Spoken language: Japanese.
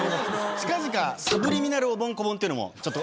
近々サブリミナルおぼん・こぼんっていうのもちょっと。